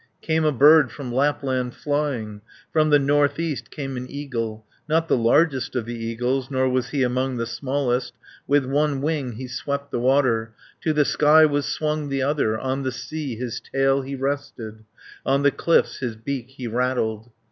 Came a bird from Lapland flying, From the north east came an eagle, Not the largest of the eagles, Nor was he among the smallest, With one wing he swept the water, To the sky was swung the other; On the sea his tail he rested, On the cliffs his beak he rattled.